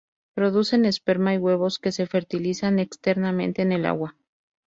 Producen esperma y huevos que se fertilizan externamente en el agua.